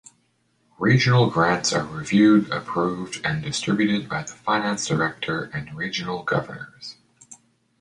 Regional grants are reviewed, approved, and distributed by the Finance Director and Regional Governors.